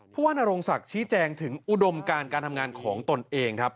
ว่านโรงศักดิ์ชี้แจงถึงอุดมการการทำงานของตนเองครับ